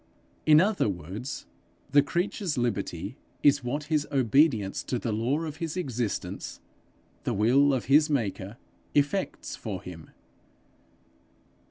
In other words the creature's liberty is what his obedience to the law of his existence, the will of his maker, effects for him.